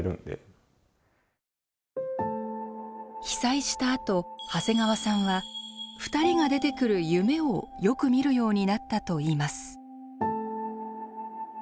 被災したあと長谷川さんは２人が出てくる夢をよく見るようになったといいます。